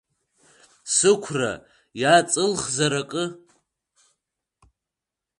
Сықәра иаҵылхзар акы?!